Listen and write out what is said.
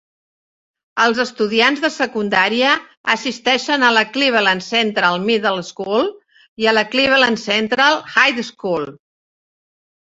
Els estudiants de secundària assisteixen a la Cleveland Central Middle School i la Cleveland Central High School.